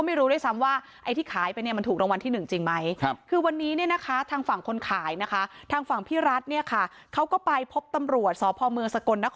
ป้าภัยคนซื้อลอตเตอรี่ที่สกลนครนะคะป้าภัยคนซื้อ